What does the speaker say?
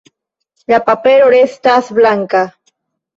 La papero restas blanka.